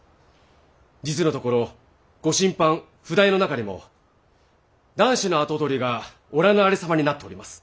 実のところご親藩譜代の中にも男子の跡取りがおらぬありさまになっております。